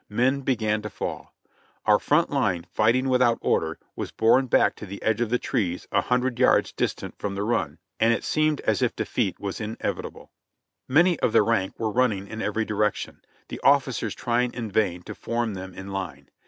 Men began to fall. Our front line, fighting without order, was borne back to the edge of the trees a hundred yards distant from the run, and it seemed as if defeat were inevitable. Many of the rank were running in every direction, the officers trying in vain to form them in line.